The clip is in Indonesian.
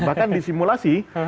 bahkan di simulasi